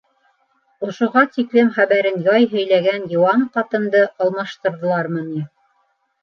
Ошоға тиклем хәбәрен яй һөйләгән йыуан ҡатынды алмаштырҙылармы ни: